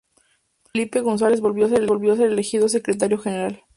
Felipe González volvió a ser elegido Secretario General.